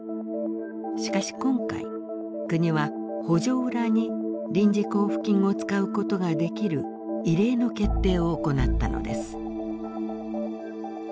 しかし今回国は補助裏に臨時交付金を使うことができる異例の決定を行ったのです。